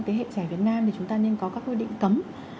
thế hệ trẻ việt nam thì chúng ta nên có các quy định cấm